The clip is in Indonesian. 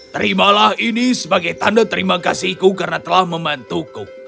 terimalah ini sebagai tanda terima kasihku karena telah membantuku